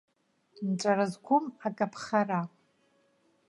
Нҵәара зқәым акаԥхара!